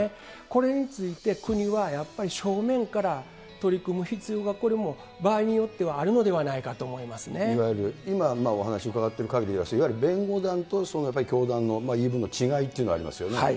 これについて、国はやっぱり正面から取り組む必要が、これも場合によってはあるいわゆる今、お話伺っているかぎりは、いわゆる弁護団と教団の言い分の違いというのがありますよね。